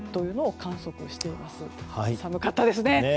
寒かったですね。